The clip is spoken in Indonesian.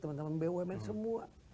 teman teman bumn semua